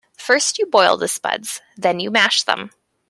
First you boil the spuds, then you mash them.